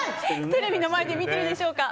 テレビの前で見ているでしょうか。